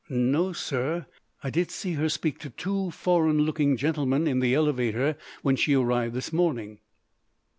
"No, sir.... I did see her speak to two foreign looking gentlemen in the elevator when she arrived this morning."